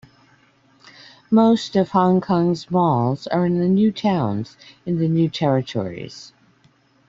Most of Hong Kong's malls are in the New Towns in the New Territories.